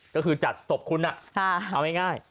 ก็คือจัดศพคุณเอาง่าย